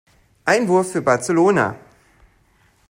Einwurf für Barcelona.